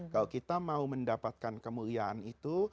kalau kita mau mendapatkan kemuliaan itu